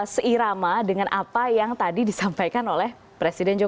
seirama dengan apa yang tadi disampaikan oleh presiden jokowi